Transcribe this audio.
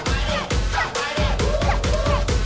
มาแล้วหัว